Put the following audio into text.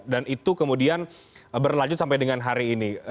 dan itu kemudian berlanjut sampai dengan hari ini